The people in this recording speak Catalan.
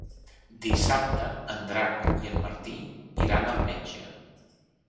Dissabte en Drac i en Martí iran al metge.